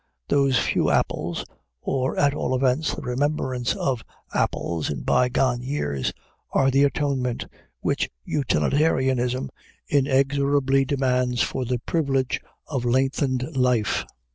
Those few apples or, at all events, the remembrance of apples in bygone years are the atonement which utilitarianism inexorably demands for the privilege of lengthened life.